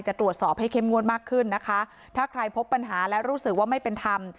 จะตรวจสอบให้เข้มงวดมากขึ้นนะคะถ้าใครพบปัญหาและรู้สึกว่าไม่เป็นธรรม